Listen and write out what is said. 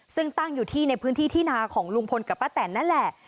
ซึ่งตั้งอยู่ที่ในพื้นที่ที่นาของลุงพลกับป้าแตนนั่นแหละ